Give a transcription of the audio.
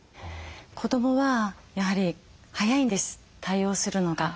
子どもはやはり早いんです対応するのが。